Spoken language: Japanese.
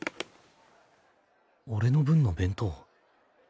俺の分の弁当？